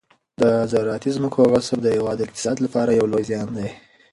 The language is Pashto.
د زراعتي ځمکو غصب د هېواد د اقتصاد لپاره یو لوی زیان دی.